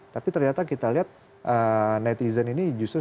tapi ternyata kita lihat netizen ini justru sangat mengapresiasi